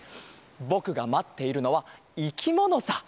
ぼくがまっているのはいきものさ。